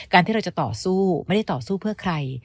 ที่เราจะต่อสู้ไม่ได้ต่อสู้เพื่อใคร